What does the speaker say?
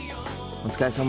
お疲れさま。